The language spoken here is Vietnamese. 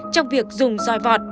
trong việc dùng dòi vọt